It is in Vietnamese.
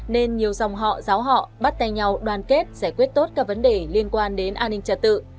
nên nhiều dòng họ giáo họ bắt tay nhau đoàn kết giải quyết tốt các vấn đề liên quan đến an ninh trật tự